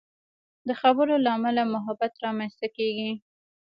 د خبرو له امله محبت رامنځته کېږي.